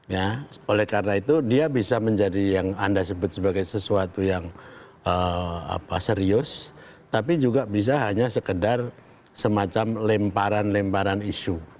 ya oleh karena itu dia bisa menjadi yang anda sebut sebagai sesuatu yang serius tapi juga bisa hanya sekedar semacam lemparan lemparan isu